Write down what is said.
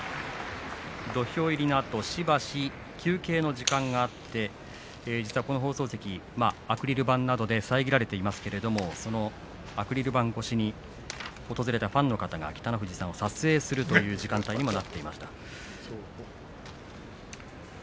土俵入りのあと、しばし休憩の時間があって実は、この放送席アクリル板などで遮られていますけれどそのアクリル板越しに訪れたファンの方が北の富士さんを撮影するという時間帯にもなっていました。